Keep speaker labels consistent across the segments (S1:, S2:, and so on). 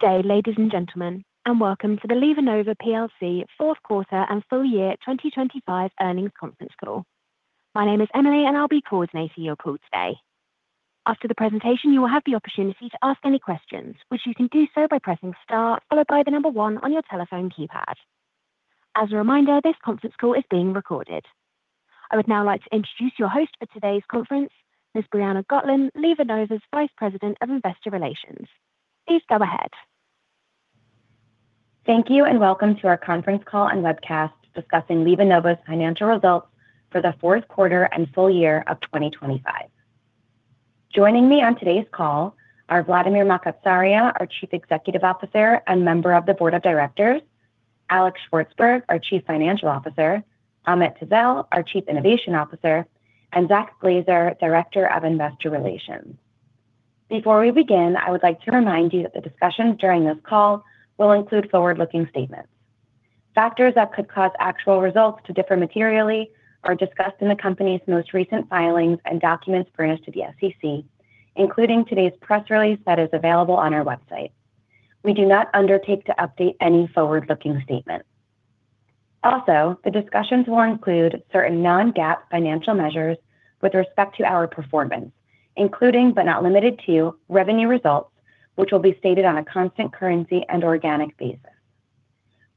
S1: Good day, ladies and gentlemen, and Welcome to the LivaNova PLC Fourth Quarter and Full Year 2025 Earnings Conference Call. My name is Emily, and I'll be coordinating your call today. After the presentation, you will have the opportunity to ask any questions, which you can do so by pressing star one on your telephone keypad. As a reminder, this conference call is being recorded. I would now like to introduce your host for today's conference, Ms. Brianna Gotlin, LivaNova's Vice President of Investor Relations. Please go ahead.
S2: Thank you, and welcome to our conference call and webcast discussing LivaNova's financial results for the fourth quarter and full year of 2025. Joining me on today's call are Vladimir Makatsaria, our Chief Executive Officer and member of the Board of Directors; Alex Shvartsburg, our Chief Financial Officer; Ahmet Tezel, our Chief Innovation Officer; and Zach Glaser, Director of Investor Relations. Before we begin, I would like to remind you that the discussions during this call will include forward-looking statements. Factors that could cause actual results to differ materially are discussed in the company's most recent filings and documents furnished to the SEC, including today's press release that is available on our website. We do not undertake to update any forward-looking statements. Also, the discussions will include certain non-GAAP financial measures with respect to our performance, including but not limited to, revenue results, which will be stated on a constant currency and organic basis.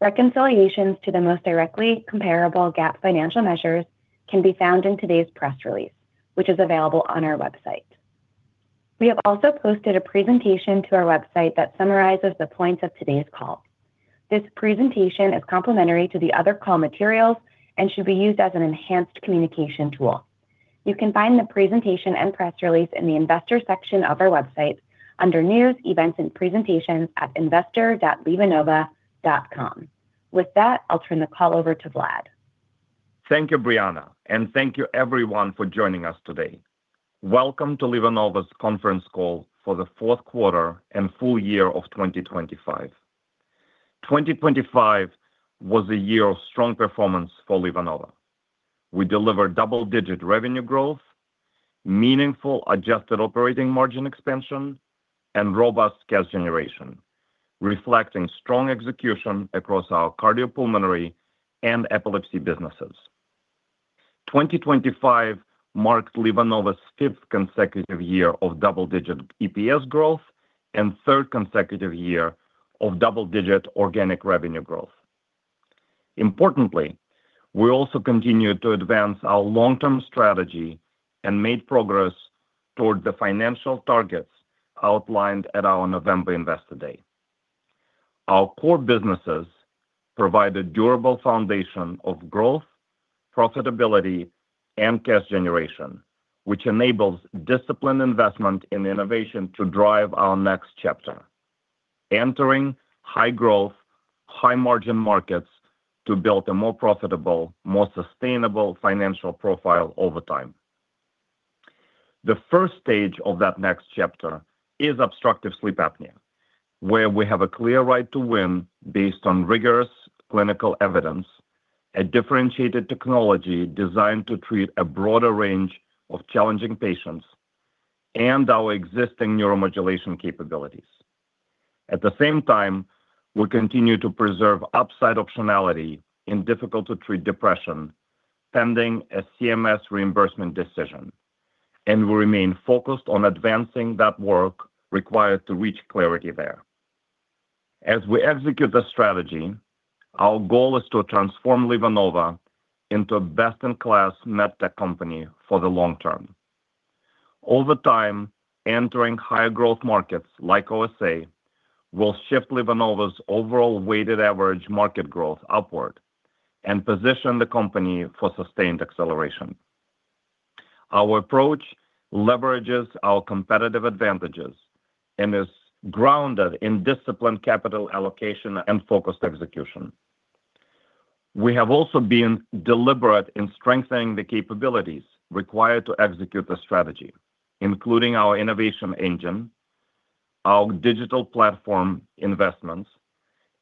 S2: Reconciliations to the most directly comparable GAAP financial measures can be found in today's press release, which is available on our website. We have also posted a presentation to our website that summarizes the points of today's call. This presentation is complementary to the other call materials and should be used as an enhanced communication tool. You can find the presentation and press release in the Investor section of our website under News, Events, and Presentations at investor.livanova.com. With that, I'll turn the call over to Vlad.
S3: Thank you, Brianna, and thank you everyone for joining us today. Welcome to LivaNova's conference call for the fourth quarter and full year of 2025. 2025 was a year of strong performance for LivaNova. We delivered double-digit revenue growth, meaningful adjusted operating margin expansion, and robust cash generation, reflecting strong execution across our cardiopulmonary and epilepsy businesses. 2025 marked LivaNova's fifth consecutive year of double-digit EPS growth and third consecutive year of double-digit organic revenue growth. Importantly, we also continued to advance our long-term strategy and made progress toward the financial targets outlined at our November Investor Day. Our core businesses provide a durable foundation of growth, profitability, and cash generation, which enables disciplined investment in innovation to drive our next chapter, entering high-growth, high-margin markets to build a more profitable, more sustainable financial profile over time. The first stage of that next chapter is obstructive sleep apnea, where we have a clear right to win based on rigorous clinical evidence, a differentiated technology designed to treat a broader range of challenging patients, and our existing neuromodulation capabilities. At the same time, we continue to preserve upside optionality in difficult-to-treat depression, pending a CMS reimbursement decision, and we remain focused on advancing that work required to reach clarity there. As we execute the strategy, our goal is to transform LivaNova into a best-in-class med tech company for the long term. Over time, entering higher growth markets like OSA will shift LivaNova's overall weighted average market growth upward and position the company for sustained acceleration. Our approach leverages our competitive advantages and is grounded in disciplined capital allocation and focused execution. We have also been deliberate in strengthening the capabilities required to execute the strategy, including our innovation engine, our digital platform investments,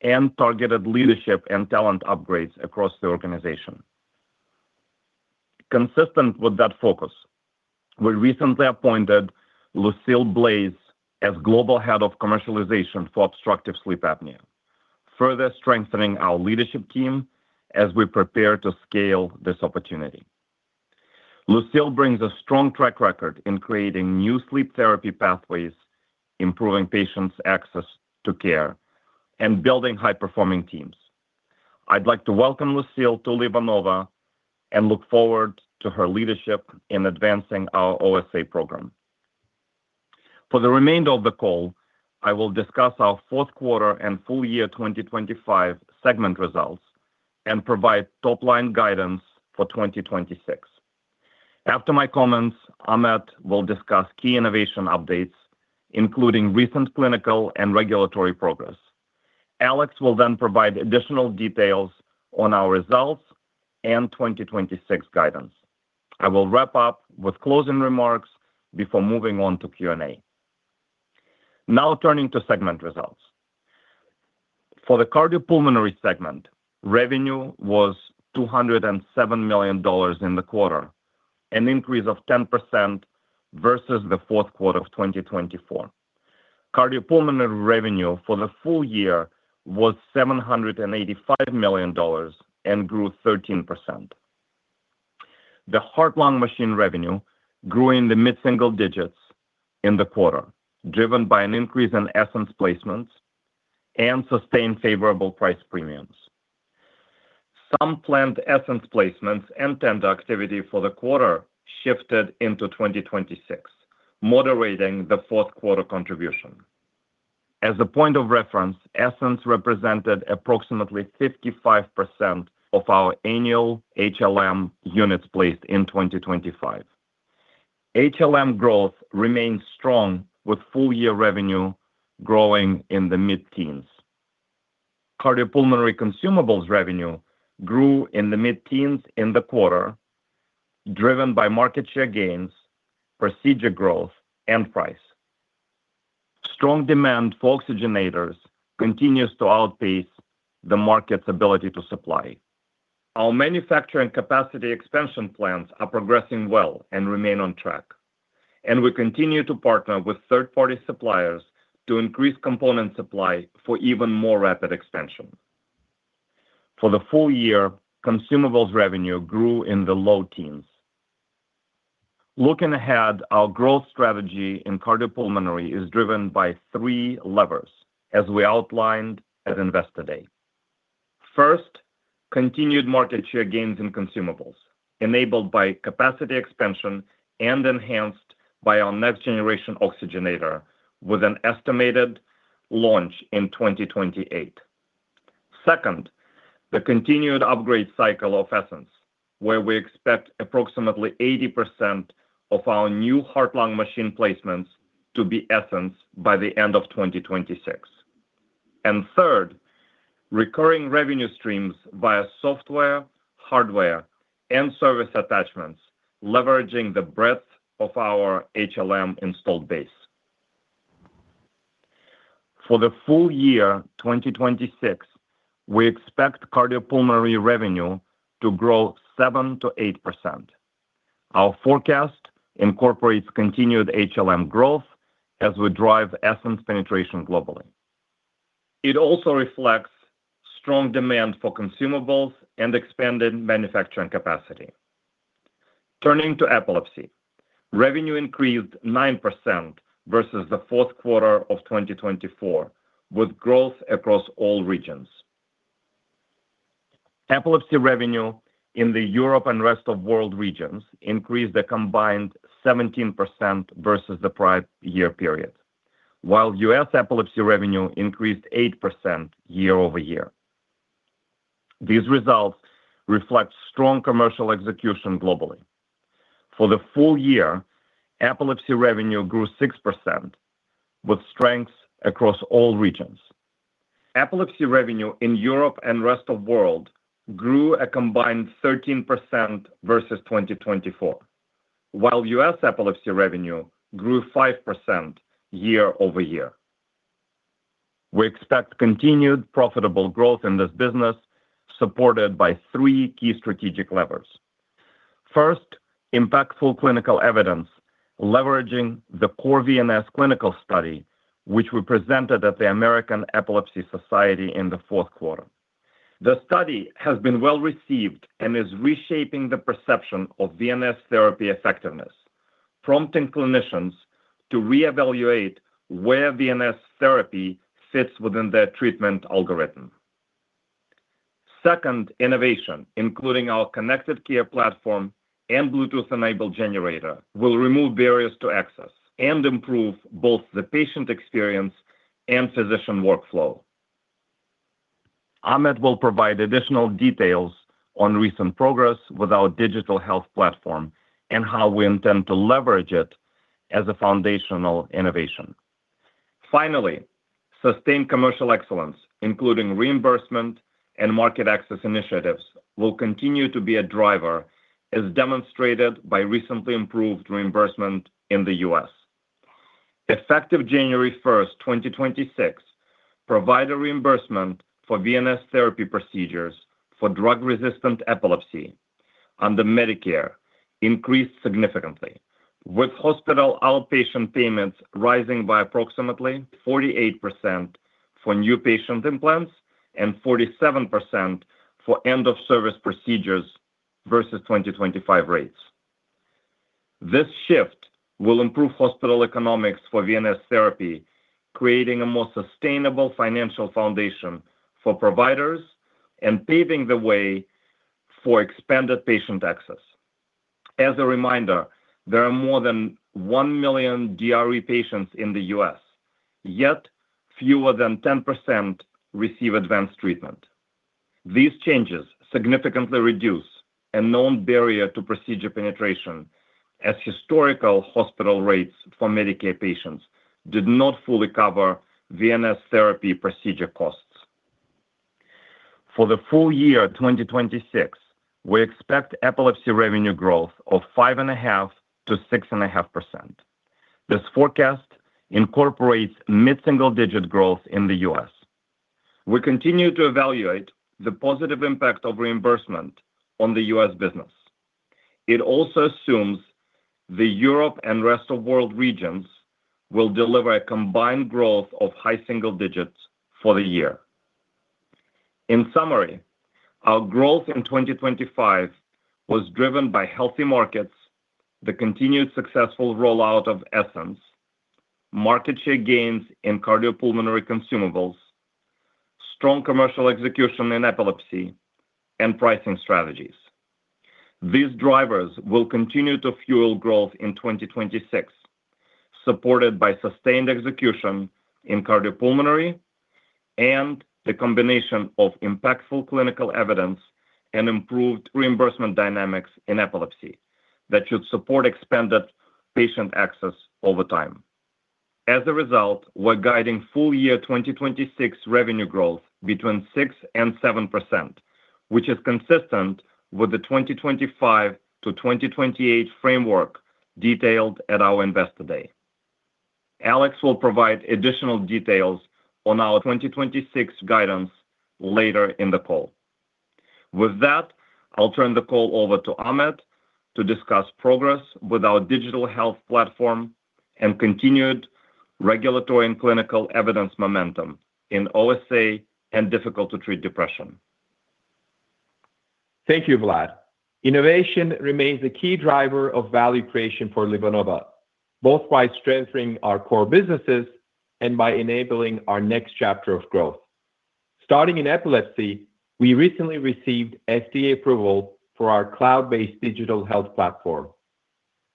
S3: and targeted leadership and talent upgrades across the organization. Consistent with that focus, we recently appointed Lucile Blaise as Global Head of Commercialization for Obstructive Sleep Apnea, further strengthening our leadership team as we prepare to scale this opportunity. Lucile brings a strong track record in creating new sleep therapy pathways, improving patients' access to care, and building high-performing teams. I'd like to welcome Lucile to LivaNova and look forward to her leadership in advancing our OSA program. For the remainder of the call, I will discuss our fourth quarter and full year 2025 segment results and provide top-line guidance for 2026. After my comments, Ahmet will discuss key innovation updates, including recent clinical and regulatory progress. Alex will provide additional details on our results and 2026 guidance. I will wrap up with closing remarks before moving on to Q&A. Turning to segment results. For the cardiopulmonary segment, revenue was $207 million in the quarter, an increase of 10% versus the fourth quarter of 2024. cardiopulmonary revenue for the full year was $785 million and grew 13%. The heart-lung machine revenue grew in the mid-single digits in the quarter, driven by an increase in Essenz placements and sustained favorable price premiums. Some planned Essenz placements and tend activity for the quarter shifted into 2026, moderating the fourth quarter contribution. As a point of reference, Essenz represented approximately 55% of our annual HLM units placed in 2025. HLM growth remains strong, with full-year revenue growing in the mid-teens. Cardiopulmonary consumables revenue grew in the mid-teens in the quarter, driven by market share gains, procedure growth, and price. Strong demand for oxygenators continues to outpace the market's ability to supply. Our manufacturing capacity expansion plans are progressing well and remain on track. We continue to partner with third-party suppliers to increase component supply for even more rapid expansion. For the full year, consumables revenue grew in the low teens. Looking ahead, our growth strategy in cardiopulmonary is driven by three levers, as we outlined at Investor Day. First, continued market share gains in consumables, enabled by capacity expansion and enhanced by our next-generation oxygenator, with an estimated launch in 2028. Second, the continued upgrade cycle of Essenz, where we expect approximately 80% of our new heart-lung machine placements to be Essenz by the end of 2026. Third, recurring revenue streams via software, hardware, and service attachments, leveraging the breadth of our HLM installed base. For the full year 2026, we expect cardiopulmonary revenue to grow 7%-8%. Our forecast incorporates continued HLM growth as we drive Essenz penetration globally. It also reflects strong demand for consumables and expanded manufacturing capacity. Turning to Epilepsy, revenue increased 9% versus the fourth quarter of 2024, with growth across all regions. Epilepsy revenue in the Europe and Rest of World regions increased a combined 17% versus the prior year period, while U.S. Epilepsy revenue increased 8% year-over-year. These results reflect strong commercial execution globally. For the full year, Epilepsy revenue grew 6%, with strengths across all regions. Epilepsy revenue in Europe and Rest of World grew a combined 13% versus 2024, while U.S. epilepsy revenue grew 5% year-over-year. We expect continued profitable growth in this business, supported by three key strategic levers. First, impactful clinical evidence leveraging the CORE-VNS clinical study, which we presented at the American Epilepsy Society in the fourth quarter. The study has been well-received and is reshaping the perception of VNS Therapy effectiveness, prompting clinicians to reevaluate where VNS Therapy fits within their treatment algorithm. Second, innovation, including our connected care platform and Bluetooth-enabled generator, will remove barriers to access and improve both the patient experience and physician workflow. Ahmet will provide additional details on recent progress with our digital health platform and how we intend to leverage it as a foundational innovation. Sustained commercial excellence, including reimbursement and market access initiatives, will continue to be a driver, as demonstrated by recently improved reimbursement in the U.S. Effective January 1st, 2026, provider reimbursement for VNS Therapy procedures for drug-resistant epilepsy under Medicare increased significantly, with hospital outpatient payments rising by approximately 48% for new patient implants and 47% for end-of-service procedures versus 2025 rates. This shift will improve hospital economics for VNS Therapy, creating a more sustainable financial foundation for providers and paving the way for expanded patient access. As a reminder, there are more than 1 million DRE patients in the U.S., yet fewer than 10% receive advanced treatment. These changes significantly reduce a known barrier to procedure penetration, as historical hospital rates for Medicare patients did not fully cover VNS Therapy procedure costs. For the full year 2026, we expect epilepsy revenue growth of 5.5%-6.5%. This forecast incorporates mid-single-digit growth in the U.S. We continue to evaluate the positive impact of reimbursement on the U.S. business. It also assumes the Europe and rest of world regions will deliver a combined growth of high single digits for the year. In summary, our growth in 2025 was driven by healthy markets, the continued successful rollout of Essenz, market share gains in cardiopulmonary consumables, strong commercial execution in epilepsy, and pricing strategies. These drivers will continue to fuel growth in 2026, supported by sustained execution in cardiopulmonary and the combination of impactful clinical evidence and improved reimbursement dynamics in epilepsy that should support expanded patient access over time. As a result, we're guiding full year 2026 revenue growth between 6% and 7%, which is consistent with the 2025-2028 framework detailed at our Investor Day. Alex will provide additional details on our 2026 guidance later in the call. With that, I'll turn the call over to Ahmet to discuss progress with our digital health platform and continued regulatory and clinical evidence momentum in OSA and difficult to treat depression.
S4: Thank you, Vlad. Innovation remains a key driver of value creation for LivaNova, both by strengthening our core businesses and by enabling our next chapter of growth. Starting in epilepsy, we recently received FDA approval for our cloud-based digital health platform.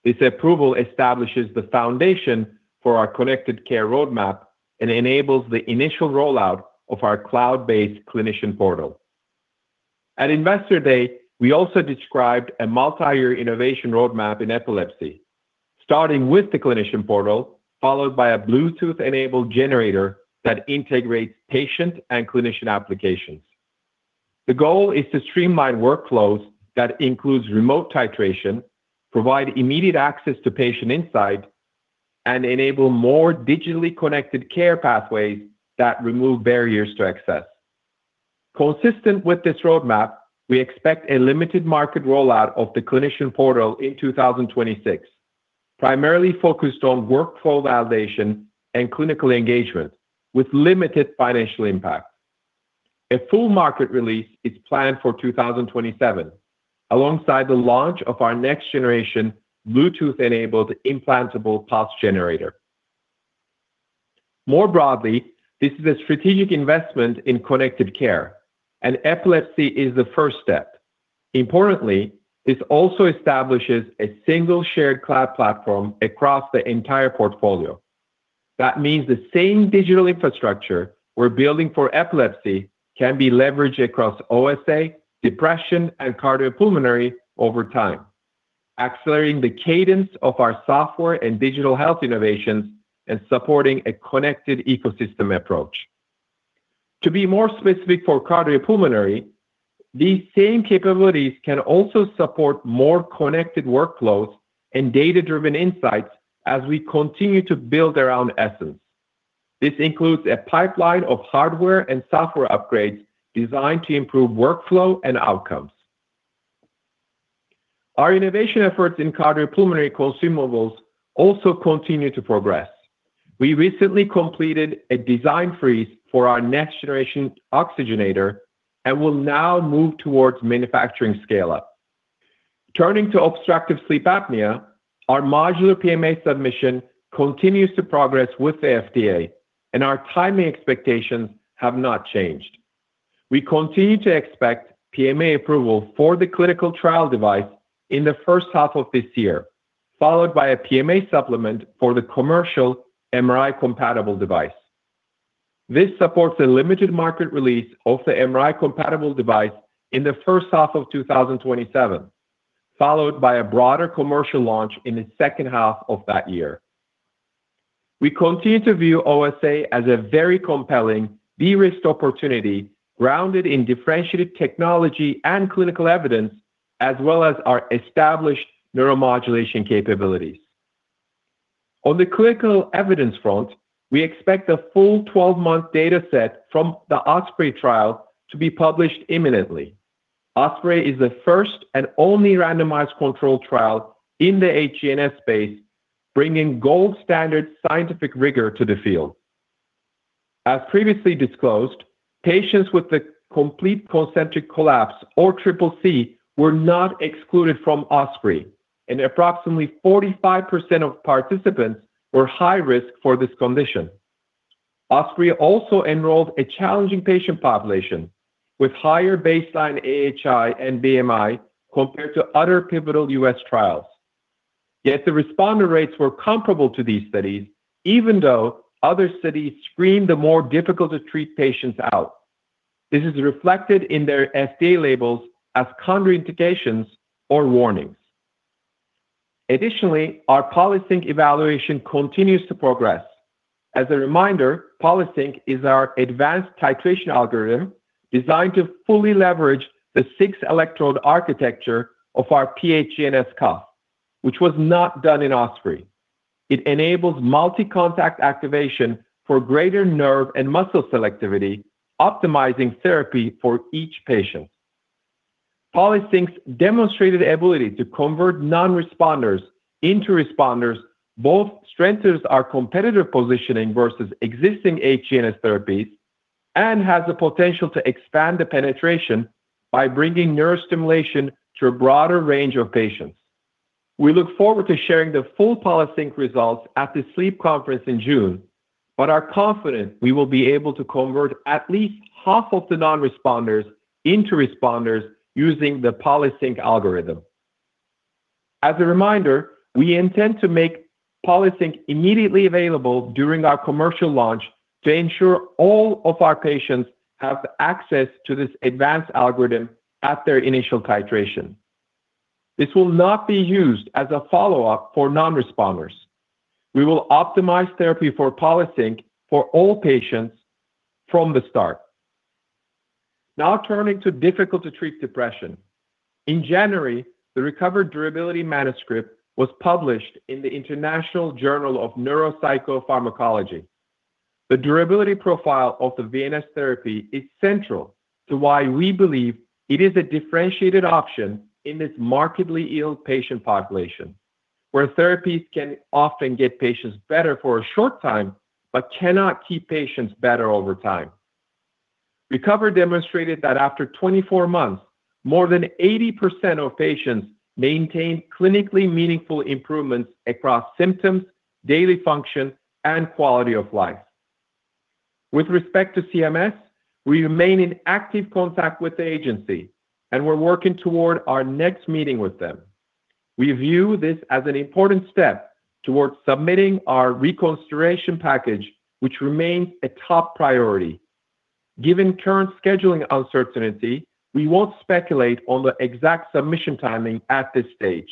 S4: This approval establishes the foundation for our connected care roadmap and enables the initial rollout of our cloud-based clinician portal. At Investor Day, we also described a multi-year innovation roadmap in epilepsy, starting with the clinician portal, followed by a Bluetooth-enabled generator that integrates patient and clinician applications. The goal is to streamline workflows that includes remote titration, provide immediate access to patient insight, and enable more digitally connected care pathways that remove barriers to access. Consistent with this roadmap, we expect a limited market rollout of the clinician portal in 2026, primarily focused on workflow validation and clinical engagement, with limited financial impact. A full market release is planned for 2027, alongside the launch of our next generation Bluetooth-enabled implantable pulse generator. More broadly, this is a strategic investment in connected care. Epilepsy is the first step. Importantly, this also establishes a single shared cloud platform across the entire portfolio. That means the same digital infrastructure we're building for epilepsy can be leveraged across OSA, depression, and cardiopulmonary over time, accelerating the cadence of our software and digital health innovations and supporting a connected ecosystem approach. To be more specific for cardiopulmonary, these same capabilities can also support more connected workflows and data-driven insights as we continue to build around Essenz. This includes a pipeline of hardware and software upgrades designed to improve workflow and outcomes. Our innovation efforts in cardiopulmonary consumables also continue to progress. We recently completed a design freeze for our next generation oxygenator and will now move towards manufacturing scale-up. Turning to obstructive sleep apnea, our modular PMA submission continues to progress with the FDA. Our timing expectations have not changed. We continue to expect PMA approval for the clinical trial device in the first half of this year, followed by a PMA supplement for the commercial MRI-compatible device. This supports a limited market release of the MRI-compatible device in the first half of 2027, followed by a broader commercial launch in the second half of that year. We continue to view OSA as a very compelling, de-risked opportunity, grounded in differentiated technology and clinical evidence, as well as our established neuromodulation capabilities. On the clinical evidence front, we expect a full 12-month data set from the OSPREY trial to be published imminently. OSPREY is the first and only randomized controlled trial in the HGNS space, bringing gold standard scientific rigor to the field. As previously disclosed, patients with the Complete Concentric Collapse or CCC were not excluded from OSPREY, and approximately 45% of participants were high risk for this condition. OSPREY also enrolled a challenging patient population with higher baseline AHI and BMI compared to other pivotal U.S. trials. Yet the responder rates were comparable to these studies, even though other studies screened the more difficult to treat patients out. This is reflected in their FDA labels as contraindications or warnings. Additionally, our PolySync evaluation continues to progress. As a reminder, PolySync is our advanced titration algorithm designed to fully leverage the six-electrode architecture of our PhDNS cuff, which was not done in OSPREY. It enables multi-contact activation for greater nerve and muscle selectivity, optimizing therapy for each patient. PolySync's demonstrated ability to convert non-responders into responders, both strengthens our competitive positioning versus existing HGNS therapies and has the potential to expand the penetration by bringing neurostimulation to a broader range of patients. We look forward to sharing the full PolySync results at the SLEEP Conference in June, but are confident we will be able to convert at least half of the non-responders into responders using the PolySync algorithm. As a reminder, we intend to make PolySync immediately available during our commercial launch to ensure all of our patients have access to this advanced algorithm at their initial titration. This will not be used as a follow-up for non-responders. We will optimize therapy for PolySync for all patients from the start. Now, turning to difficult-to-treat depression. In January, the RECOVER durability manuscript was published in the International Journal of Neuropsychopharmacology. The durability profile of the VNS Therapy is central to why we believe it is a differentiated option in this markedly ill patient population, where therapies can often get patients better for a short time, but cannot keep patients better over time. RECOVER demonstrated that after 24 months, more than 80% of patients maintained clinically meaningful improvements across symptoms, daily function, and quality of life. With respect to CMS, we remain in active contact with the agency. We're working toward our next meeting with them. We view this as an important step towards submitting our reconsideration package, which remains a top priority. Given current scheduling uncertainty, we won't speculate on the exact submission timing at this stage.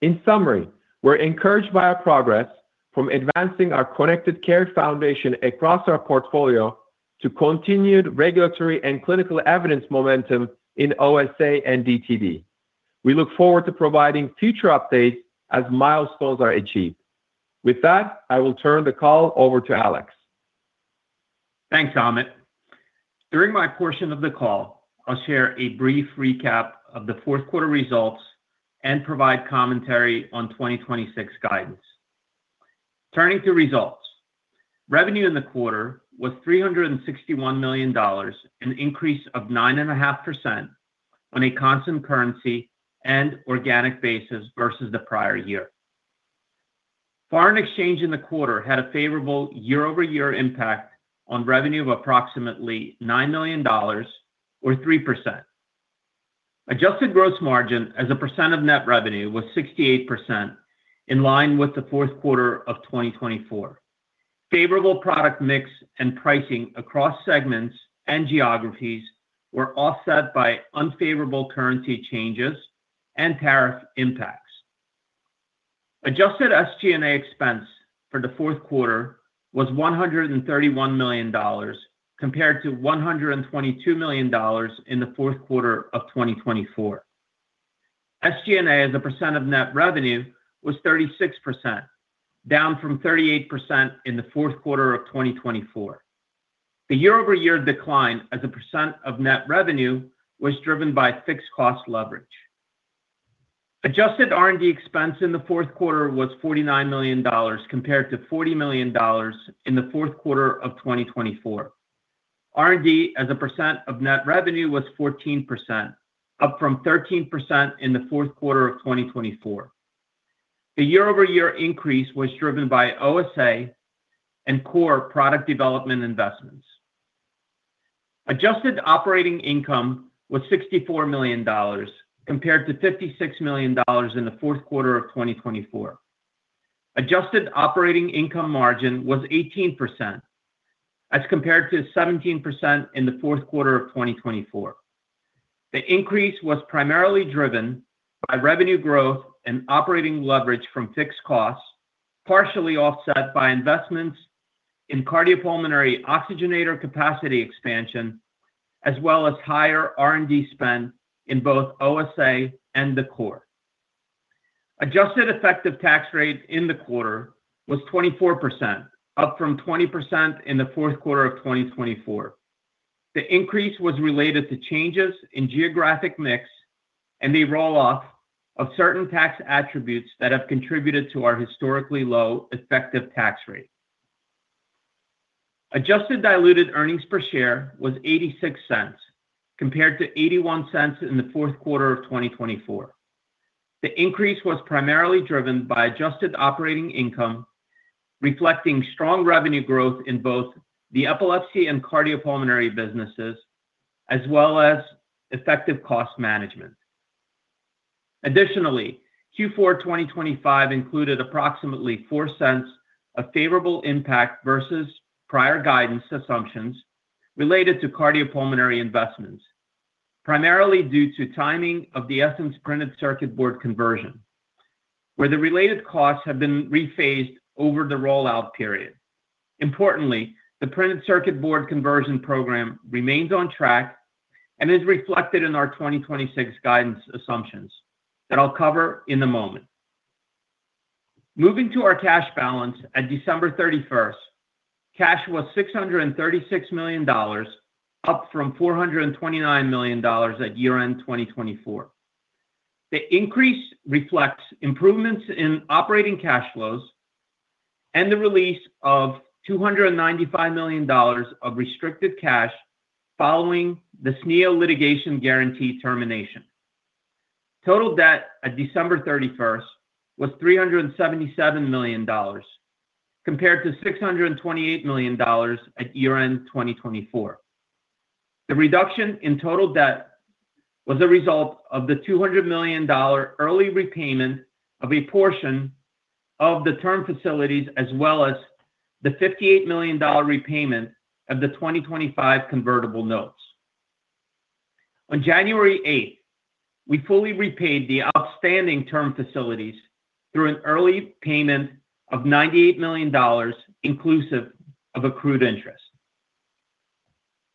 S4: In summary, we're encouraged by our progress from advancing our connected care foundation across our portfolio to continued regulatory and clinical evidence momentum in OSA and DTD. We look forward to providing future updates as milestones are achieved. With that, I will turn the call over to Alex.
S5: Thanks, Ahmet. During my portion of the call, I'll share a brief recap of the fourth quarter results and provide commentary on 2026 guidance. Turning to results. Revenue in the quarter was $361 million, an increase of 9.5% on a constant currency and organic basis versus the prior year. Foreign exchange in the quarter had a favorable year-over-year impact on revenue of approximately $9 million or 3%. Adjusted gross margin as a percent of net revenue was 68%, in line with the fourth quarter of 2024. Favorable product mix and pricing across segments and geographies were offset by unfavorable currency changes and tariff impacts. Adjusted SG&A expense for the fourth quarter was $131 million, compared to $122 million in the fourth quarter of 2024. SG&A, as a % of net revenue, was 36%, down from 38% in the fourth quarter of 2024. The year-over-year decline as a % of net revenue was driven by fixed cost leverage. Adjusted R&D expense in the fourth quarter was $49 million, compared to $40 million in the fourth quarter of 2024. R&D, as a percent of net revenue, was 14%, up from 13% in the fourth quarter of 2024. The year-over-year increase was driven by OSA and core product development investments. Adjusted operating income was $64 million, compared to $56 million in the fourth quarter of 2024. Adjusted operating income margin was 18%, as compared to 17% in the fourth quarter of 2024. The increase was primarily driven by revenue growth and operating leverage from fixed costs, partially offset by investments in cardiopulmonary oxygenator capacity expansion, as well as higher R&D spend in both OSA and the core. Adjusted effective tax rate in the quarter was 24%, up from 20% in the fourth quarter of 2024. The increase was related to changes in geographic mix and the roll-off of certain tax attributes that have contributed to our historically low effective tax rate. Adjusted diluted earnings per share was $0.86, compared to $0.81 in the fourth quarter of 2024. The increase was primarily driven by adjusted operating income, reflecting strong revenue growth in both the epilepsy and cardiopulmonary businesses, as well as effective cost management. Additionally, Q4 2025 included approximately $0.04 of favorable impact versus prior guidance assumptions-... related to cardiopulmonary investments, primarily due to timing of the essence printed circuit board conversion, where the related costs have been rephased over the rollout period. Importantly, the printed circuit board conversion program remains on track and is reflected in our 2026 guidance assumptions that I'll cover in a moment. Moving to our cash balance at December 31st, cash was $636 million, up from $429 million at year-end 2024. The increase reflects improvements in operating cash flows and the release of $295 million of restricted cash following the SNIA Litigation Guarantee termination. Total debt at December 31st was $377 million, compared to $628 million at year-end 2024. The reduction in total debt was a result of the $200 million early repayment of a portion of the term facilities, as well as the $58 million repayment of the 2025 convertible notes. On January 8th, we fully repaid the outstanding term facilities through an early payment of $98 million, inclusive of accrued interest.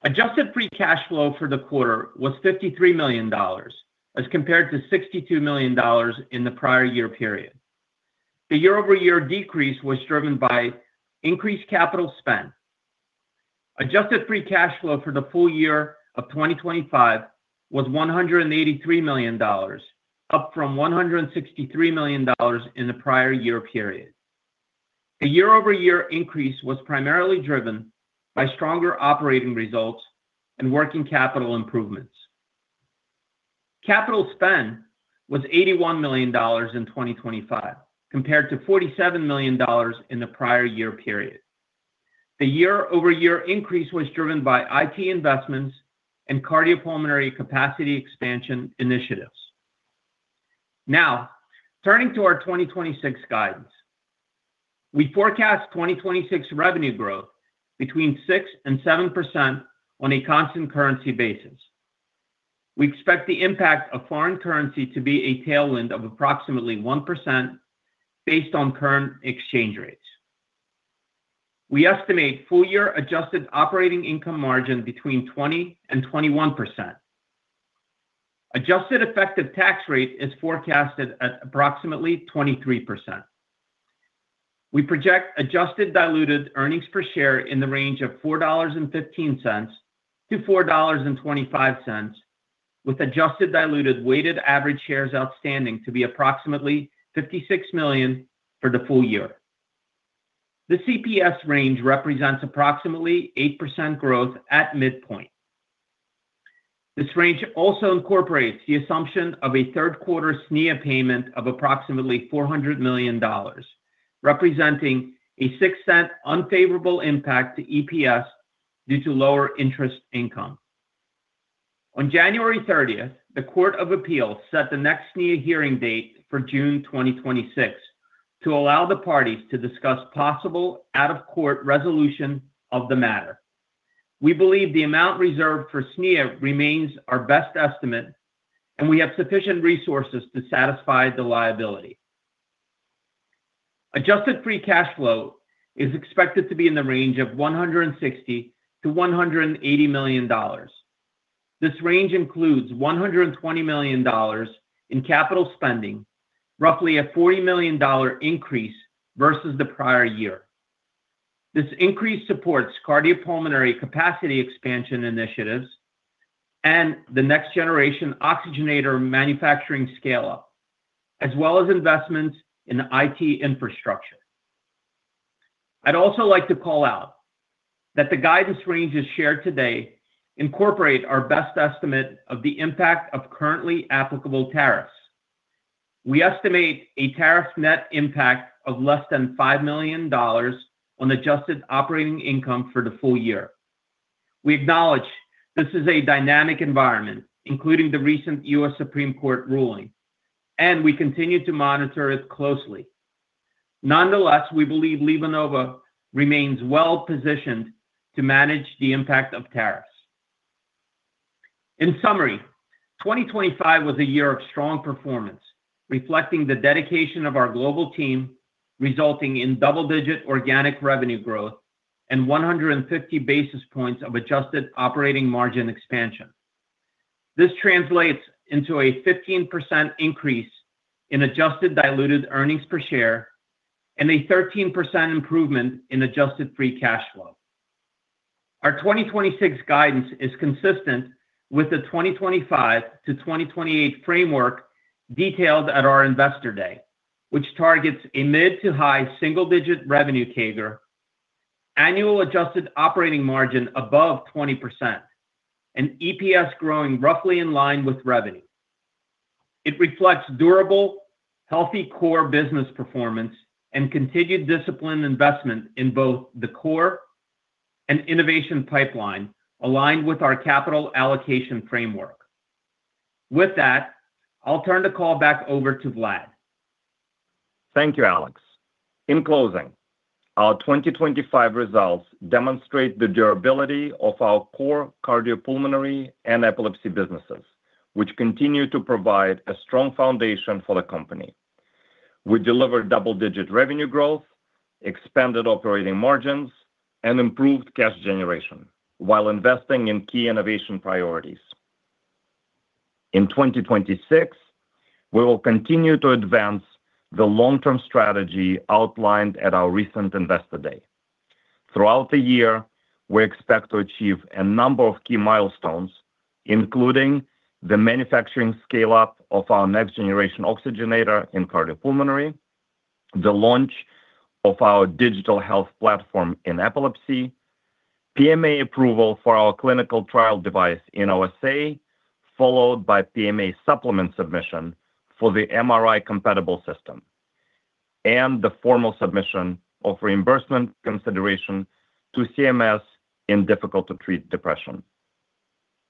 S5: Adjusted free cash flow for the quarter was $53 million, as compared to $62 million in the prior year period. The year-over-year decrease was driven by increased capital spend. Adjusted free cash flow for the full year of 2025 was $183 million, up from $163 million in the prior year period. The year-over-year increase was primarily driven by stronger operating results and working capital improvements. Capital spend was $81 million in 2025, compared to $47 million in the prior year period. The year-over-year increase was driven by IT investments and cardiopulmonary capacity expansion initiatives. Turning to our 2026 guidance. We forecast 2026 revenue growth between 6% and 7% on a constant currency basis. We expect the impact of foreign currency to be a tailwind of approximately 1% based on current exchange rates. We estimate full year adjusted operating income margin between 20% and 21%. Adjusted effective tax rate is forecasted at approximately 23%. We project adjusted diluted earnings per share in the range of $4.15-$4.25, with adjusted diluted weighted average shares outstanding to be approximately 56 million for the full year. The CPS range represents approximately 8% growth at midpoint. This range also incorporates the assumption of a 3rd quarter SNIA payment of approximately $400 million, representing a $0.06 unfavorable impact to EPS due to lower interest income. On January 30th, the Court of Appeal set the next SNIA hearing date for June 2026, to allow the parties to discuss possible out-of-court resolution of the matter. We believe the amount reserved for SNIA remains our best estimate, and we have sufficient resources to satisfy the liability. Adjusted free cash flow is expected to be in the range of $160 million-$180 million. This range includes $120 million in capital spending, roughly a $40 million increase versus the prior year. This increase supports cardiopulmonary capacity expansion initiatives and the next generation oxygenator manufacturing scale-up, as well as investments in IT infrastructure. I'd also like to call out that the guidance ranges shared today incorporate our best estimate of the impact of currently applicable tariffs. We estimate a tariff net impact of less than $5 million on adjusted operating income for the full year. We acknowledge this is a dynamic environment, including the recent U.S. Supreme Court ruling. We continue to monitor it closely. Nonetheless, we believe LivaNova remains well-positioned to manage the impact of tariffs. In summary, 2025 was a year of strong performance, reflecting the dedication of our global team, resulting in double-digit organic revenue growth and 150 basis points of adjusted operating margin expansion. This translates into a 15% increase in adjusted diluted earnings per share and a 13% improvement in adjusted free cash flow. Our 2026 guidance is consistent with the 2025-2028 framework detailed at our Investor Day, which targets a mid to high single-digit revenue CAGR, annual adjusted operating margin above 20%, and EPS growing roughly in line with revenue. It reflects durable, healthy core business performance and continued disciplined investment in both the core and innovation pipeline, aligned with our capital allocation framework. With that, I'll turn the call back over to Vlad.
S3: Thank you, Alex. In closing, our 2025 results demonstrate the durability of our core cardiopulmonary and epilepsy businesses, which continue to provide a strong foundation for the company. We delivered double-digit revenue growth, expanded operating margins, and improved cash generation while investing in key innovation priorities. In 2026, we will continue to advance the long-term strategy outlined at our recent Investor Day. Throughout the year, we expect to achieve a number of key milestones, including the manufacturing scale-up of our next-generation oxygenator in cardiopulmonary, the launch of our digital health platform in Epilepsy, PMA approval for our clinical trial device in OSA, followed by PMA supplement submission for the MRI-compatible system, and the formal submission of reimbursement consideration to CMS in difficult-to-treat depression.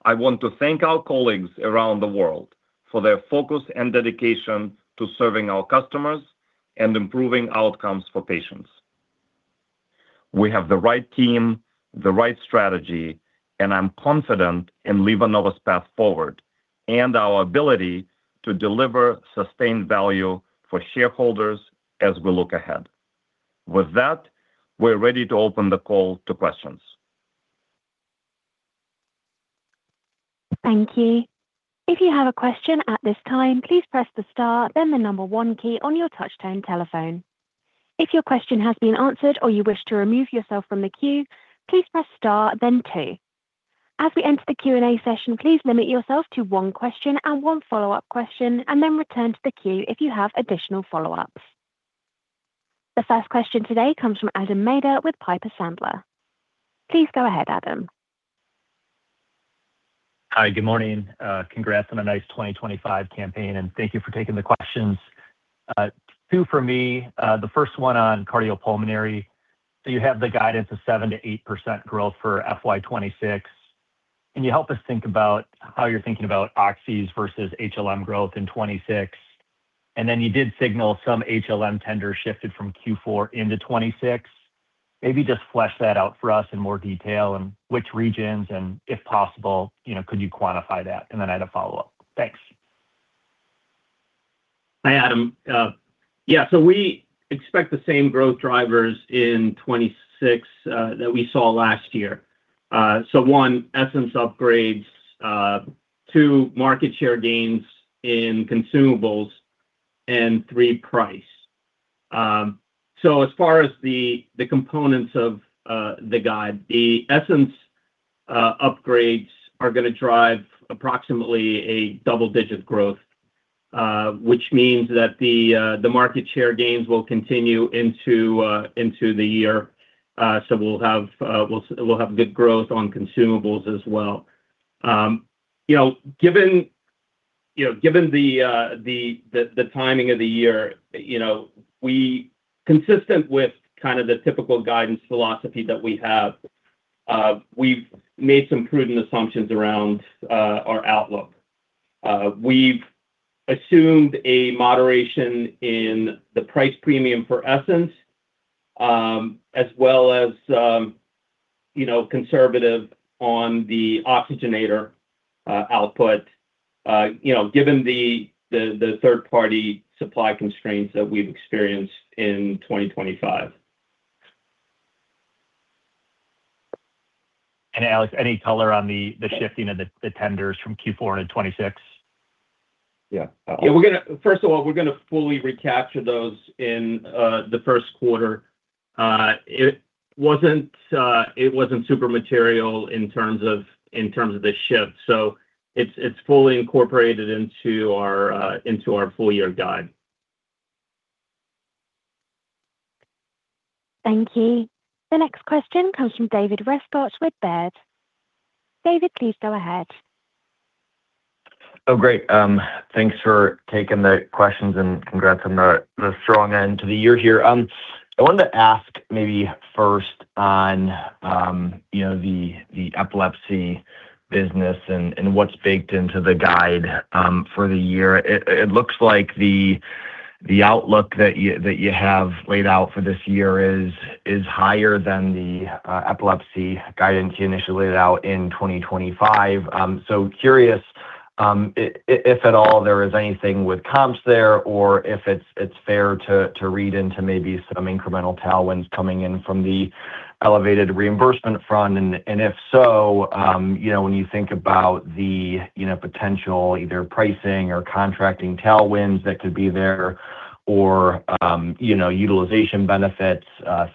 S3: I want to thank our colleagues around the world for their focus and dedication to serving our customers and improving outcomes for patients. We have the right team, the right strategy. I'm confident in LivaNova's path forward and our ability to deliver sustained value for shareholders as we look ahead. With that, we're ready to open the call to questions.
S1: Thank you. If you have a question at this time, please press the star, then the one key on your touch-tone telephone. If your question has been answered or you wish to remove yourself from the queue, please press star, then two. As we enter the Q&A session, please limit yourself to one question and one follow-up question, and then return to the queue if you have additional follow-ups. The first question today comes from Adam Maeder with Piper Sandler. Please go ahead, Adam.
S6: Hi, good morning. Congrats on a nice 2025 campaign, thank you for taking the questions. Two for me. The first one on cardiopulmonary. You have the guidance of 7%-8% growth for FY 2026. Can you help us think about how you're thinking about oxys versus HLM growth in 2026? You did signal some HLM tenders shifted from Q4 into 2026. Maybe just flesh that out for us in more detail, and which regions, and if possible, you know, could you quantify that? I had a follow-up. Thanks.
S5: Hi, Adam. Yeah, we expect the same growth drivers in 2026 that we saw last year. One, Essenz upgrades, two, market share gains in consumables, and three, price. As far as the components of the guide, the Essenz upgrades are going to drive approximately a double-digit growth, which means that the market share gains will continue into the year. We'll have good growth on consumables as well. You know, given, you know, given the timing of the year, you know, consistent with kind of the typical guidance philosophy that we have, we've made some prudent assumptions around our outlook. We've assumed a moderation in the price premium for Essenz, as well as, you know, conservative on the oxygenator, output, you know, given the third-party supply constraints that we've experienced in 2025.
S6: Alex, any color on the shifting of the tenders from Q4 into 2026?
S5: Yeah. Yeah, First of all, we're going to fully recapture those in the first quarter. It wasn't super material in terms of the shift, so it's fully incorporated into our full-year guide.
S1: Thank you. The next question comes from David Rescott with Baird. David, please go ahead.
S7: Oh, great. Thanks for taking the questions, and congrats on the strong end to the year here. I wanted to ask maybe first on, you know, the epilepsy business and what's baked into the guide, for the year. It, it looks like the outlook that you, that you have laid out for this year is higher than the epilepsy guidance you initially laid out in 2025. Curious, if at all, there is anything with comps there, or if it's fair to read into maybe some incremental tailwinds coming in from the elevated reimbursement front. If so, you know, when you think about the, you know, potential either pricing or contracting tailwinds that could be there or, you know, utilization benefits,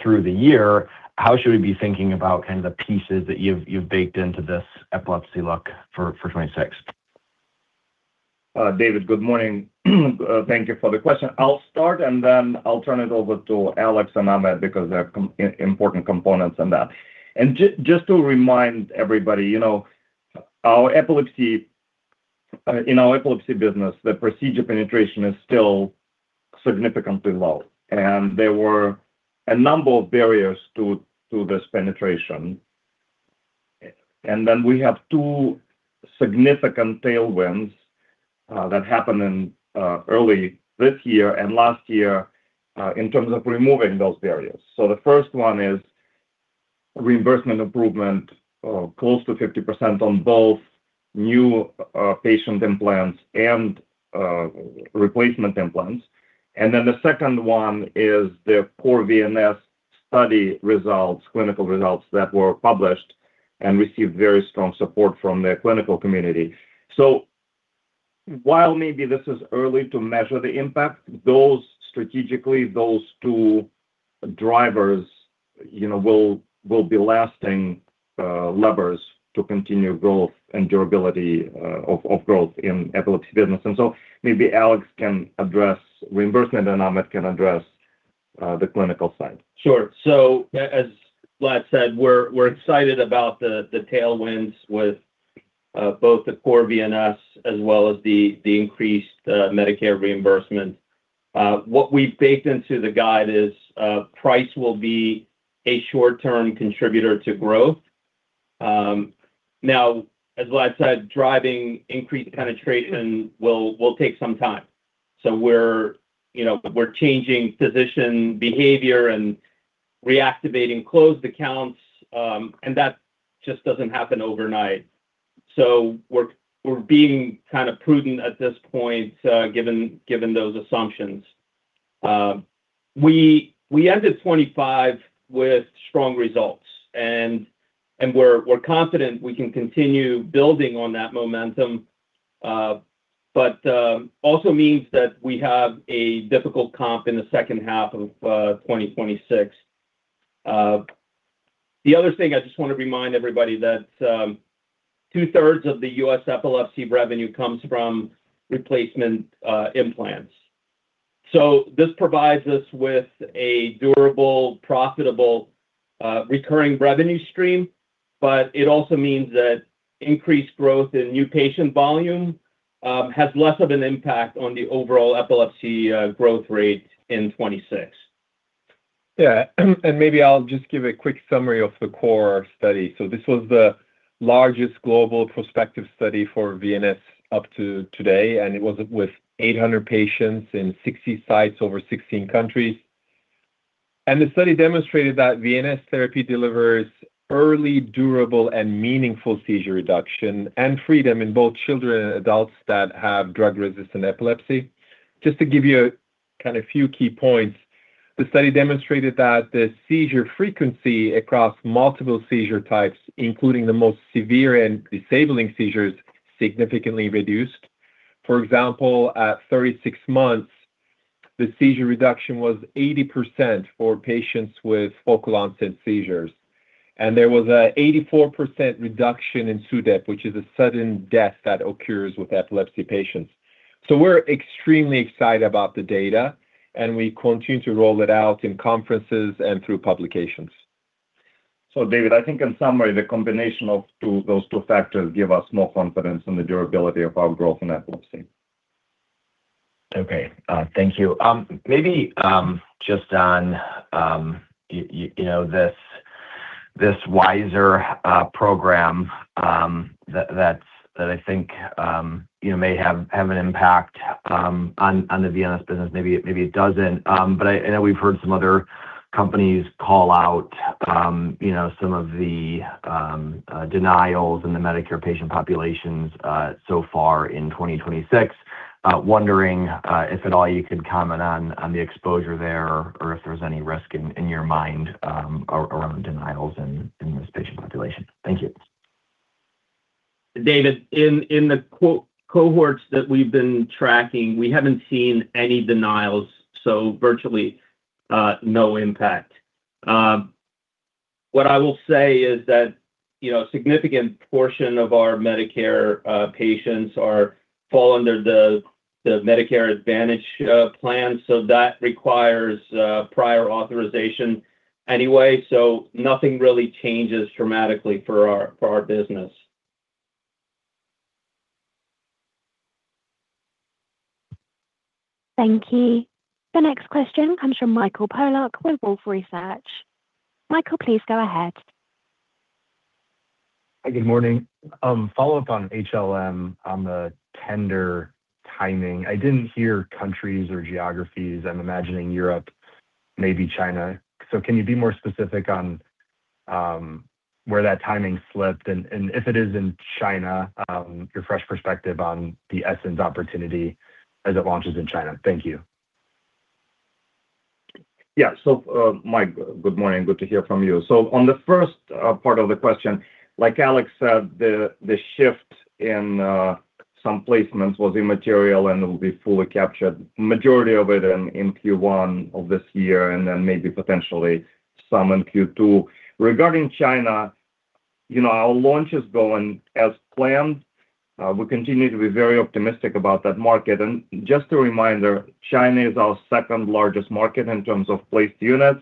S7: through the year, how should we be thinking about kind of the pieces that you've baked into this Epilepsy look for 2026?
S3: David, good morning. Thank you for the question. I'll start, and then I'll turn it over to Alex and Ahmet because they have important components on that. Just to remind everybody, you know, our epilepsy, in our epilepsy business, the procedure penetration is still significantly low, and there were a number of barriers to this penetration. Then we have two significant tailwinds that happened in early this year and last year, in terms of removing those barriers. The first one is reimbursement improvement of close to 50% on both new patient implants and replacement implants. The second one is the CORE-VNS study results, clinical results that were published and received very strong support from the clinical community. While maybe this is early to measure the impact, those strategically, those two drivers, you know, will be lasting levers to continue growth and durability of growth in epilepsy business. Maybe Alex can address reimbursement, and Ahmet can address the clinical side.
S5: Sure. As Vlad said, we're excited about the tailwinds with both the CORE-VNS as well as the increased Medicare reimbursement. What we've baked into the guide is price will be a short-term contributor to growth. As Vlad said, driving increased penetration will take some time. We're, you know, changing physician behavior and reactivating closed accounts, and that just doesn't happen overnight. We're being kind of prudent at this point, given those assumptions. We ended 25 with strong results, and we're confident we can continue building on that momentum. Also means that we have a difficult comp in the second half of 2026. The other thing, I just want to remind everybody that, 2/3 of the U.S. Epilepsy revenue comes from replacement implants. This provides us with a durable, profitable, recurring revenue stream, but it also means that increased growth in new patient volume has less of an impact on the overall epilepsy growth rate in 2026.
S4: Maybe I'll just give a quick summary of the CORE study. This was the largest global prospective study for VNS up to today, and it was with 800 patients in 60 sites over 16 countries. The study demonstrated that VNS Therapy delivers early, durable, and meaningful seizure reduction and freedom in both children and adults that have drug-resistant epilepsy. Just to give you a kind of few key points, the study demonstrated that the seizure frequency across multiple seizure types, including the most severe and disabling seizures, significantly reduced. For example, at 36 months, the seizure reduction was 80% for patients with focal onset seizures, and there was a 84% reduction in SUDEP, which is a sudden death that occurs with epilepsy patients. We're extremely excited about the data, and we continue to roll it out in conferences and through publications.
S3: David, I think in summary, the combination of those two factors give us more confidence in the durability of our growth in epilepsy.
S7: Okay, thank you. Maybe just on, you know, this wiser program that I think, you know, may have an impact on the VNS business. Maybe it doesn't, but I, you know, we've heard some other companies call out, you know, some of the denials in the Medicare patient populations so far in 2026. Wondering if at all you could comment on the exposure there or if there's any risk in your mind around denials in this patient population? Thank you.
S5: David, in the quote, cohorts that we've been tracking, we haven't seen any denials, so virtually, no impact. What I will say is that, you know, a significant portion of our Medicare patients are fall under the Medicare Advantage plan, so that requires prior authorization anyway, so nothing really changes dramatically for our business.
S1: Thank you. The next question comes from Michael Polark with Wolfe Research. Michael, please go ahead.
S8: Hi, good morning. Follow-up on HLM, on the tender timing. I didn't hear countries or geographies. I'm imagining Europe, maybe China. Can you be more specific on where that timing slipped? If it is in China, your fresh perspective on the Essenz opportunity as it launches in China. Thank you.
S3: Mike, good morning. Good to hear from you. On the first part of the question, like Alex said, the shift in some placements was immaterial, and it will be fully captured, majority of it in Q1 of this year, and then maybe potentially some in Q2. Regarding China, you know, our launch is going as planned. We continue to be very optimistic about that market. Just a reminder, China is our second largest market in terms of placed units.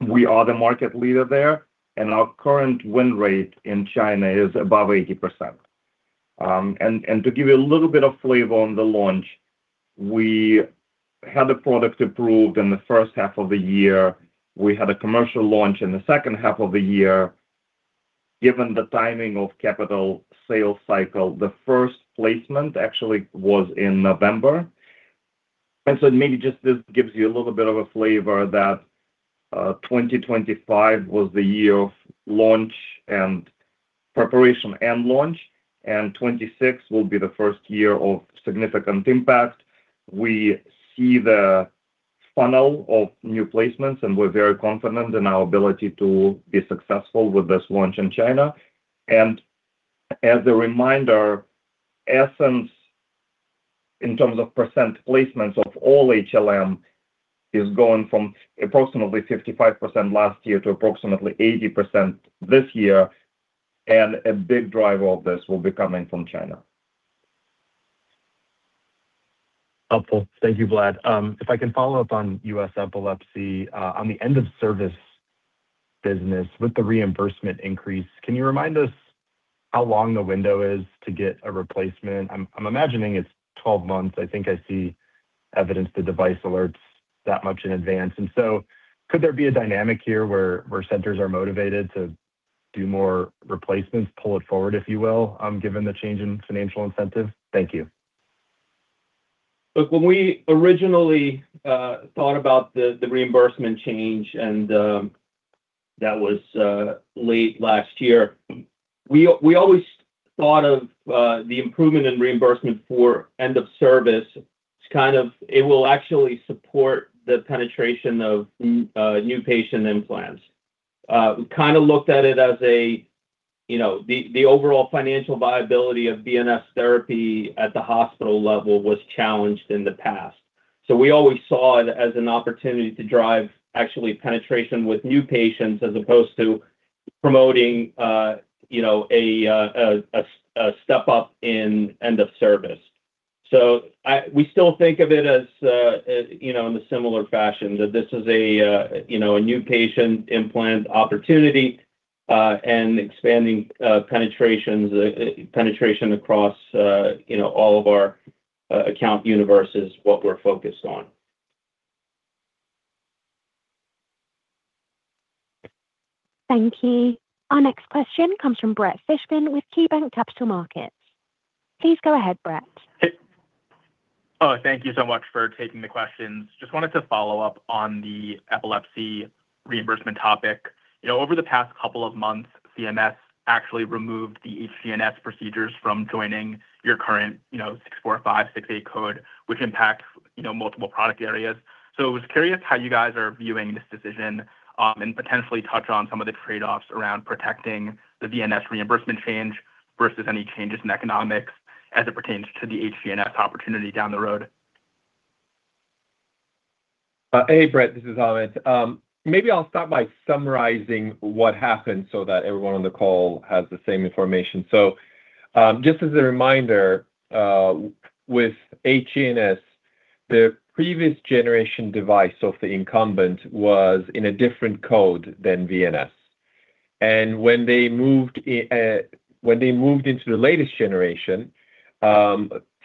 S3: We are the market leader there, and our current win rate in China is above 80%. And to give you a little bit of flavor on the launch, we had the product approved in the first half of the year. We had a commercial launch in the second half of the year. Given the timing of capital sales cycle, the first placement actually was in November. Maybe just this gives you a little bit of a flavor that 2025 was the year of launch and preparation and launch, and 2026 will be the first year of significant impact. We see the funnel of new placements, and we're very confident in our ability to be successful with this launch in China. As a reminder, Essenz, in terms of % placements of all HLM, is going from approximately 55% last year to approximately 80% this year, and a big driver of this will be coming from China.
S8: Helpful. Thank you, Vlad. If I can follow up on U.S. epilepsy, on the end-of-service business with the reimbursement increase, can you remind us how long the window is to get a replacement? I'm imagining it's 12 months. I think I see evidence, the device alerts that much in advance. Could there be a dynamic here where centers are motivated to do more replacements, pull it forward, if you will, given the change in financial incentive? Thank you.
S5: Look, when we originally thought about the reimbursement change, that was late last year, we always thought of the improvement in reimbursement for end of service. It will actually support the penetration of new patient implants. We kind of looked at it as a, you know, the overall financial viability of VNS Therapy at the hospital level was challenged in the past. We always saw it as an opportunity to drive actually penetration with new patients, as opposed to promoting, you know, a step-up in end of service. We still think of it as, you know, in a similar fashion, that this is a, you know, a new patient implant opportunity, and expanding penetrations, penetration across, you know, all of our account universe is what we're focused on.
S1: Thank you. Our next question comes from Brett Fishman with KeyBanc Capital Markets. Please go ahead, Brett.
S9: Hey. Oh, thank you so much for taking the questions. Just wanted to follow up on the epilepsy reimbursement topic. You know, over the past couple of months, CMS actually removed the HTNS procedures from joining your current, you know, 64568 code, which impacts, you know, multiple product areas. I was curious how you guys are viewing this decision, and potentially touch on some of the trade-offs around protecting the VNS reimbursement change versus any changes in economics as it pertains to the HTNS opportunity down the road.
S4: Hey, Brett, this is Ahmet. Maybe I'll start by summarizing what happened so that everyone on the call has the same information. Just as a reminder, with HGNS, the previous generation device of the incumbent was in a different code than VNS. When they moved into the latest generation,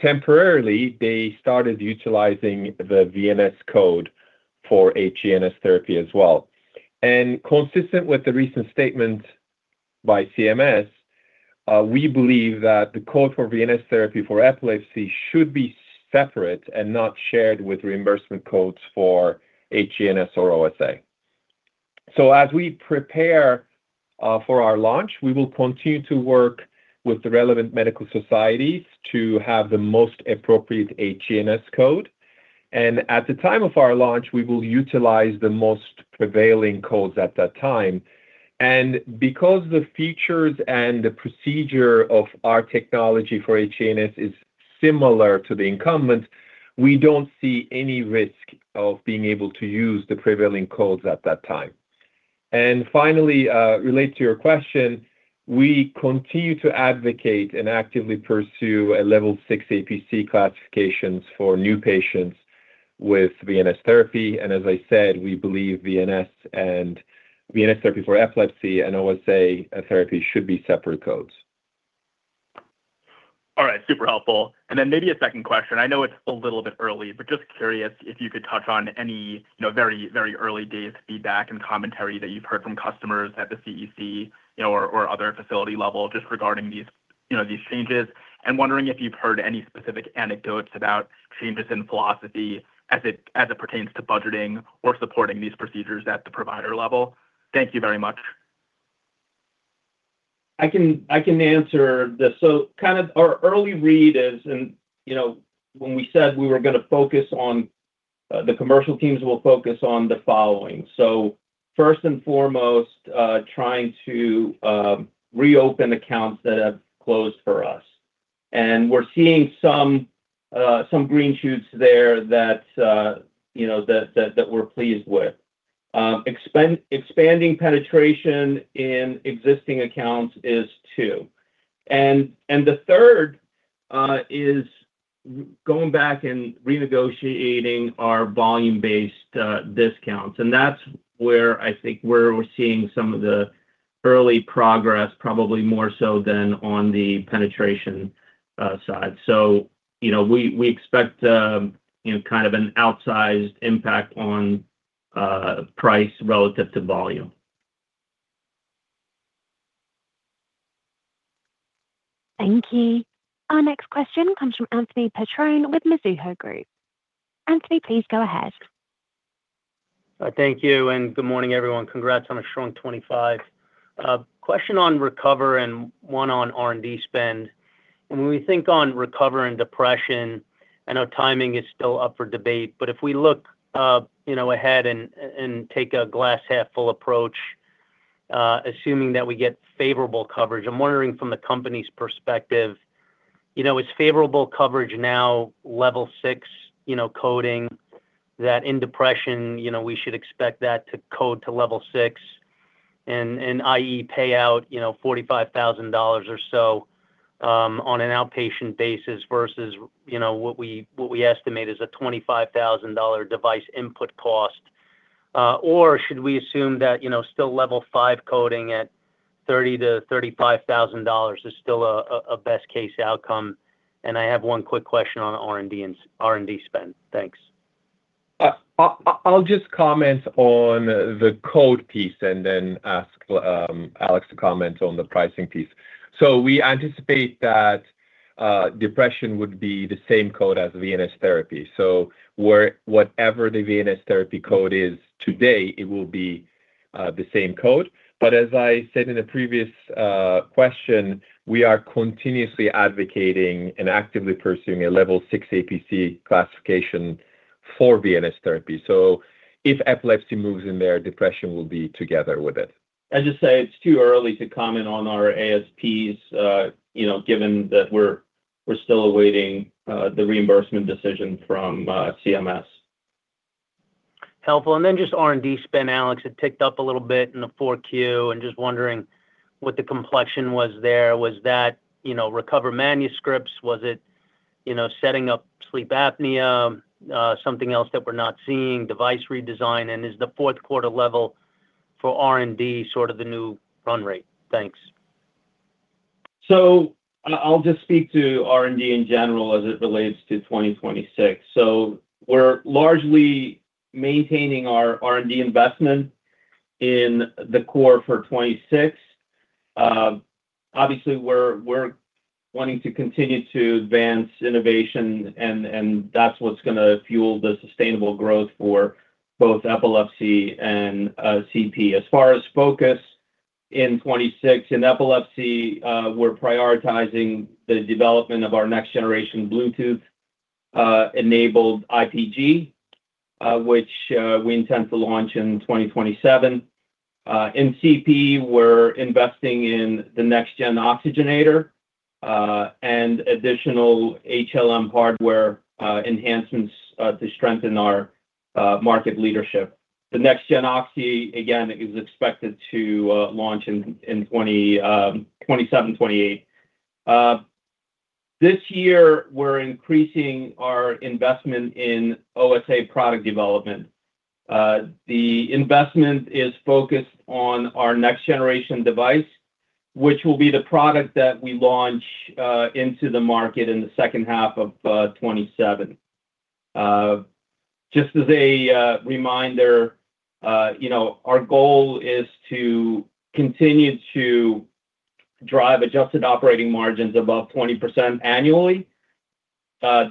S4: temporarily, they started utilizing the VNS code for HGNS therapy as well. Consistent with the recent statement by CMS, we believe that the code for VNS Therapy for epilepsy should be separate and not shared with reimbursement codes for HGNS or OSA. As we prepare for our launch, we will continue to work with the relevant medical societies to have the most appropriate HGNS code. At the time of our launch, we will utilize the most prevailing codes at that time. Because the features and the procedure of our technology for HGNS is similar to the incumbents, we don't see any risk of being able to use the prevailing codes at that time. Finally, related to your question, we continue to advocate and actively pursue a Level 6 APC classifications for new patients with VNS Therapy. As I said, we believe VNS and VNS Therapy for epilepsy and OSA therapy should be separate codes.
S9: All right. Super helpful. Then maybe a second question. I know it's a little bit early, but just curious if you could touch on any, you know, very, very early days feedback and commentary that you've heard from customers at the CEC, you know, or other facility level, just regarding these, you know, these changes. Wondering if you've heard any specific anecdotes about changes in philosophy as it, as it pertains to budgeting or supporting these procedures at the provider level. Thank you very much.
S5: I can answer this. Kind of our early read is, and, you know, when we said we were gonna focus on the commercial teams will focus on the following. First and foremost, trying to reopen accounts that have closed for us. We're seeing some green shoots there that, you know, that we're pleased with. Expanding penetration in existing accounts is two. The third is going back and renegotiating our volume-based discounts. That's where I think where we're seeing some of the early progress, probably more so than on the penetration side. You know, we expect, you know, kind of an outsized impact on price relative to volume.
S1: Thank you. Our next question comes from Anthony Petrone with Mizuho Group. Anthony, please go ahead.
S10: Thank you, and good morning, everyone. Congrats on a strong 2025. Question on RECOVER and one on R&D spend. When we think on RECOVER and depression, I know timing is still up for debate, but if we look, you know, ahead and take a glass half full approach, assuming that we get favorable coverage, I'm wondering from the company's perspective, you know, is favorable coverage now level six, you know, coding that in depression, you know, we should expect that to code to level six and i.e., pay out, you know, $45,000 or so on an outpatient basis versus, you know, what we estimate is a $25,000 device input cost. Or should we assume that, you know, still level five coding at $30,000-$35,000 is still a best case outcome? I have one quick question on R&D and R&D spend. Thanks.
S4: I'll just comment on the code piece and then ask Alex to comment on the pricing piece. We anticipate that depression would be the same code as VNS Therapy. Whatever the VNS Therapy code is today, it will be the same code. As I said in a previous question, we are continuously advocating and actively pursuing a Level 6 APC classification for VNS Therapy. If epilepsy moves in there, depression will be together with it.
S5: As you say, it's too early to comment on our ASPs, you know, given that we're still awaiting the reimbursement decision from CMS.
S10: Helpful. Just R&D spend, Alex, it ticked up a little bit in the 4Q, and just wondering what the complexion was there. Was that, you know, RECOVER manuscripts? Was it, you know, setting up sleep apnea, something else that we're not seeing, device redesign? Is the fourth quarter level for R&D sort of the new run rate? Thanks.
S5: I'll just speak to R&D in general as it relates to 2026. Obviously, we're wanting to continue to advance innovation, and that's what's gonna fuel the sustainable growth for both epilepsy and CP. As far as focus in 2026, in epilepsy, we're prioritizing the development of our next generation Bluetooth enabled IPG, which we intend to launch in 2027. In CP, we're investing in the next gen oxygenator, and additional HLM hardware enhancements to strengthen our market leadership. The next gen oxy, again, is expected to launch in 2027, 2028. This year, we're increasing our investment in OSA product development. The investment is focused on our next generation device, which will be the product that we launch into the market in the second half of 2027. Just as a reminder, you know, our goal is to continue to drive adjusted operating margins above 20% annually,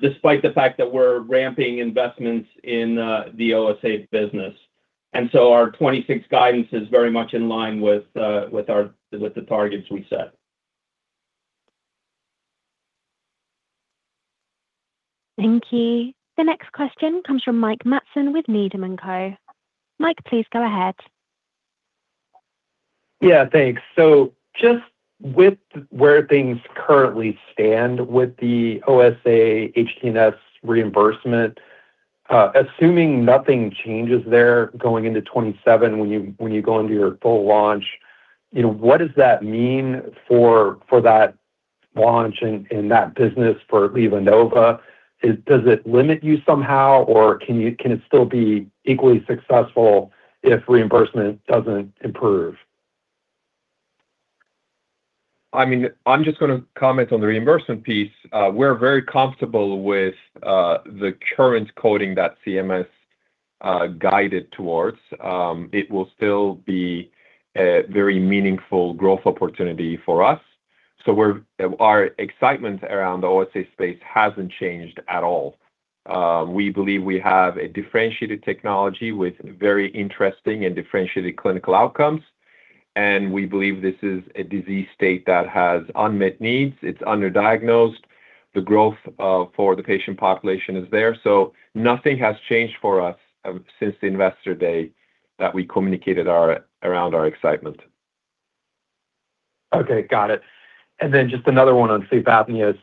S5: despite the fact that we're ramping investments in the OSA business. Our 2026 guidance is very much in line with the targets we set.
S1: Thank you. The next question comes from Mike Matson with Needham & Co. Mike, please go ahead.
S11: Yeah, thanks. Just with where things currently stand with the OSA HTN reimbursement, assuming nothing changes there going into 2027 when you, when you go into your full launch, you know, what does that mean for that launch and that business for LivaNova? Does it limit you somehow, or can it still be equally successful if reimbursement doesn't improve?
S4: I mean, I'm just going to comment on the reimbursement piece. We're very comfortable with the current coding that CMS guided towards. It will still be a very meaningful growth opportunity for us. Our excitement around the OSA space hasn't changed at all. We believe we have a differentiated technology with very interesting and differentiated clinical outcomes, and we believe this is a disease state that has unmet needs. It's underdiagnosed. The growth for the patient population is there, nothing has changed for us since the Investor Day that we communicated around our excitement.
S11: Okay, got it. Just another one on sleep apnea.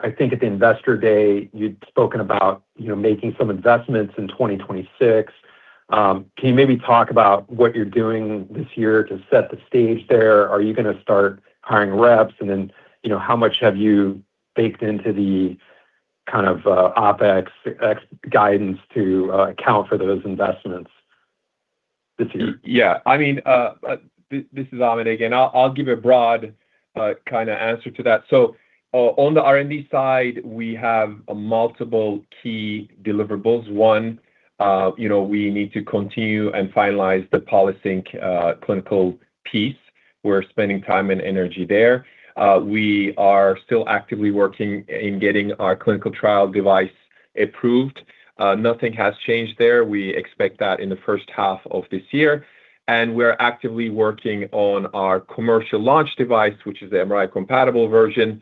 S11: I think at the Investor Day, you'd spoken about, you know, making some investments in 2026. Can you maybe talk about what you're doing this year to set the stage there? Are you gonna start hiring reps? You know, how much have you baked into the kind of OpEx guidance to account for those investments this year?
S4: Yeah. I mean, this is Ahmet again. I'll give a broad kind of answer to that. On the R&D side, we have a multiple key deliverables. One, you know, we need to continue and finalize the PolySync clinical piece. We're spending time and energy there. We are still actively working in getting our clinical trial device approved. Nothing has changed there. We expect that in the first half of this year, and we're actively working on our commercial launch device, which is the MRI compatible version,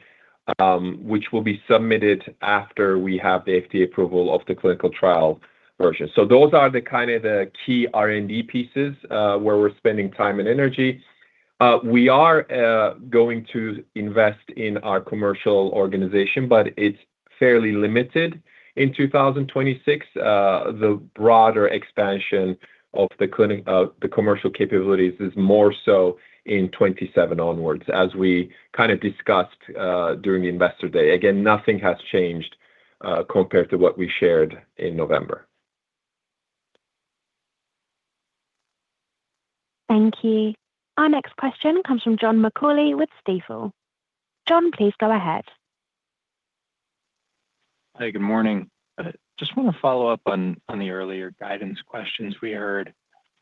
S4: which will be submitted after we have the FDA approval of the clinical trial version. Those are the kind of the key R&D pieces, where we're spending time and energy. We are going to invest in our commercial organization, but it's fairly limited in 2026. The broader expansion of the commercial capabilities is more so in 2027 onwards, as we kind of discussed during the Investor Day. Again, nothing has changed compared to what we shared in November.
S1: Thank you. Our next question comes from John McAulay with Stifel. John, please go ahead.
S12: Hi, good morning. I just want to follow up on the earlier guidance questions we heard.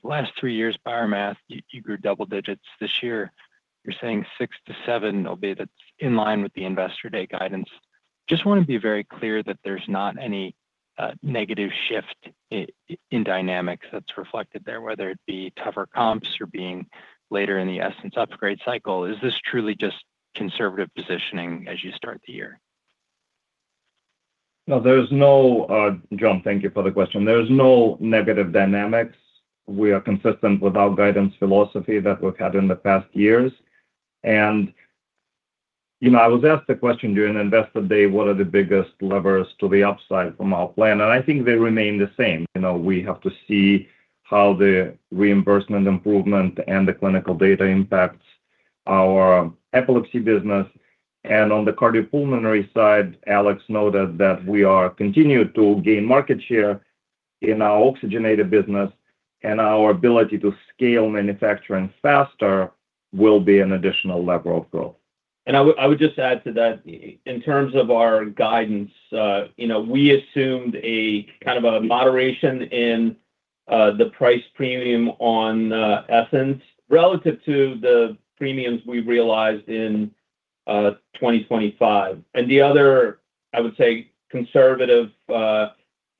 S12: The last three years, by our math, you grew double digits. This year, you're saying 6%-7% will be in line with the Investor Day guidance. Just want to be very clear that there's not any negative shift in dynamics that's reflected there, whether it be tougher comps or being later in the Essenz upgrade cycle. Is this truly just conservative positioning as you start the year?
S4: No, there's no, John, thank you for the question. There's no negative dynamics. We are consistent with our guidance philosophy that we've had in the past years. You know, I was asked a question during Investor Day, "What are the biggest levers to the upside from our plan?" I think they remain the same. You know, we have to see how the reimbursement improvement and the clinical data impacts our epilepsy business. On the cardiopulmonary side, Alex noted that we are continued to gain market share in our oxygenator business, and our ability to scale manufacturing faster will be an additional lever of growth.
S5: I would just add to that, in terms of our guidance, you know, we assumed a kind of a moderation in the price premium on Essenz relative to the premiums we realized in 2025. The other, I would say, conservative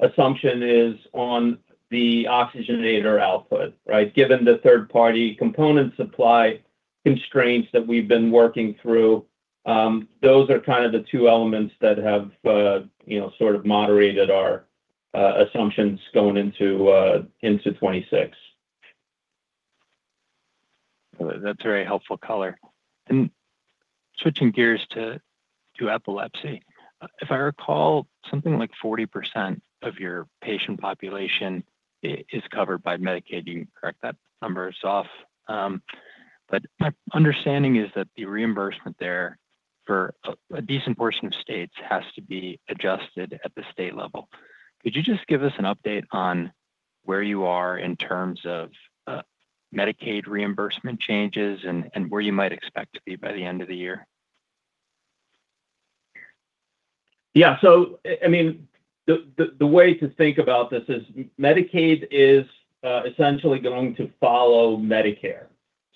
S5: assumption is on the oxygenator output, right? Given the third-party component supply constraints that we've been working through, those are kind of the two elements that have, you know, sort of moderated our assumptions going into 2026.
S12: That's a very helpful color. Switching gears to epilepsy. If I recall, something like 40% of your patient population is covered by Medicaid. You can correct that number if it's off. My understanding is that the reimbursement there for a decent portion of states has to be adjusted at the state level. Could you just give us an update on where you are in terms of Medicaid reimbursement changes and where you might expect to be by the end of the year?
S5: Yeah. I mean, the way to think about this is Medicaid is essentially going to follow Medicare.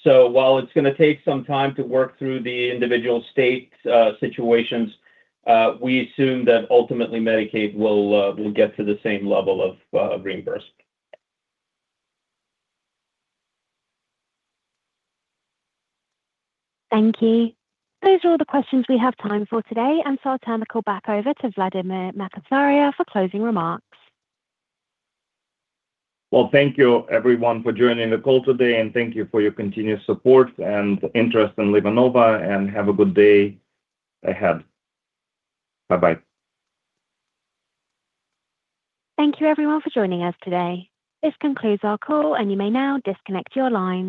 S5: While it's gonna take some time to work through the individual state situations, we assume that ultimately Medicaid will get to the same level of reimbursement.
S1: Thank you. Those are all the questions we have time for today. I'll turn the call back over to Vladimir Makatsaria for closing remarks.
S3: Well, thank you everyone for joining the call today, and thank you for your continued support and interest in LivaNova, and have a good day ahead. Bye-bye.
S1: Thank you everyone for joining us today. This concludes our call, and you may now disconnect your lines.